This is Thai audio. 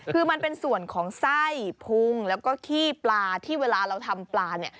คือมันเป็นส่วนของไส้พุงแล้วก็ขี้ปลาที่เวลาเราทำปลาเนี่ย